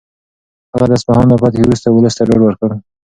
هغه د اصفهان له فتحې وروسته ولس ته ډاډ ورکړ.